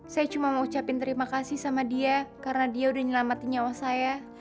saya cuma mau ucapkan terima kasih sama dia karena dia sudah menyelamatkan nyawa saya